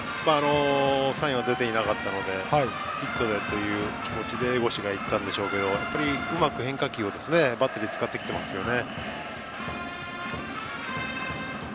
サインは出ていなかったのでヒットでという気持ちで江越が行ったんでしょうけどやっぱりうまく変化球をバッテリーが使ってきますね。